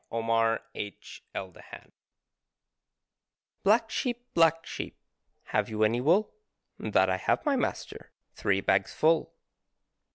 BLACK SHEEP "Black Sheep, Black Sheep, Have you any wool?" "That I have, my Master, _Three bags full."